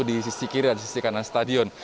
di sisi kiri dan sisi kanan stadion